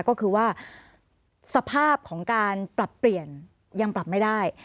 ก็คือว่าสภาพของการปรับเปลี่ยนยังปรับไม่ได้